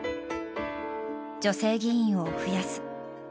女性議員を増やす。